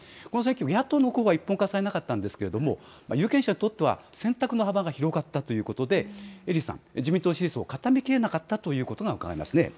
野党の候補は一本化されなかったんですけど、有権者にとって選択の幅が広がったということで、英利さん、自民党支持層が固めきれなかったということがうかがえます。